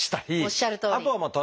おっしゃるとおり！